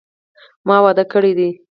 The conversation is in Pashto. ما واده کړی دي